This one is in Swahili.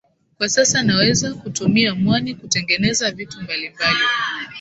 Kwa sasa naweza kutumia mwani kutengeneza vitu mbalimbali